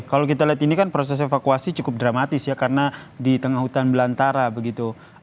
kalau kita lihat ini kan proses evakuasi cukup dramatis ya karena di tengah hutan belantara begitu